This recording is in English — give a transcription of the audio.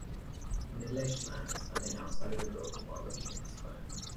A middleaged man is standing outside of a building while looking at his phone.